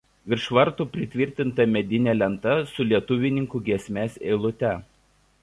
Virš vartų pritvirtinta medinė lenta su lietuvininkų giesmės eilute.